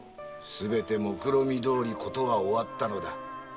すべてもくろみどおり終わったのだ。